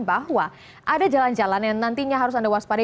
bahwa ada jalan jalan yang nantinya harus anda waspadai